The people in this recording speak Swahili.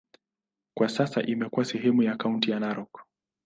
Kwa sasa imekuwa sehemu ya kaunti ya Narok.